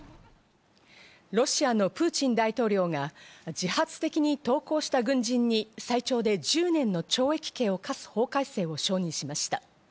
ロシアのプーチン大統領が自発的に投降した軍人に最長で１０年の懲役刑を科す法改正を承認しました。